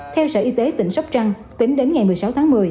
theo sở y tế tỉnh sóc trăng tính đến ngày một mươi sáu tháng một mươi